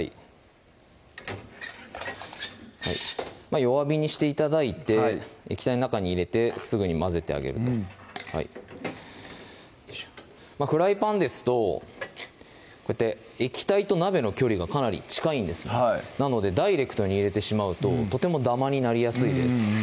弱火にして頂いて液体の中に入れてすぐに混ぜてあげるとフライパンですとこうやって液体と鍋の距離がかなり近いんですなのでダイレクトに入れてしまうととてもダマになりやすいです